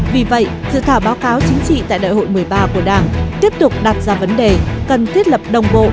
vì vậy dự thảo báo cáo chính trị tại đại hội một mươi ba của đảng tiếp tục đặt ra vấn đề cần thiết lập đồng bộ